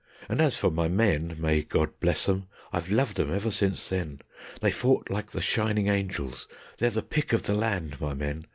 And as for my men, may God bless 'em! I've loved 'em ever since then: They fought like the shining angels; they're the pick o' the land, my men.